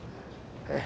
ええ。